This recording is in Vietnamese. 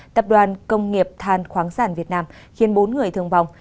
tập đoàn công nghiệp than khoáng sản việt nam khiến bốn người thương vong